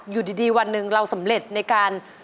อยู่ดีวันหนึ่งเราสำเร็จในการ